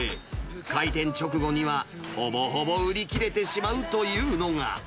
開店直後にはほぼほぼ売り切れてしまうというのが。